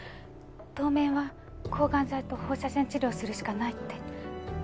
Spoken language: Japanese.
当面は抗がん剤と放射線治療するしかないって。